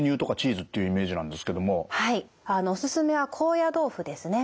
おすすめは高野豆腐ですね。